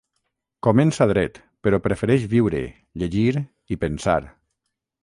Comença dret, però prefereix viure, llegir i pensar.